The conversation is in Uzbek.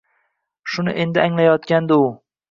Shuni endi anglayotgandi u.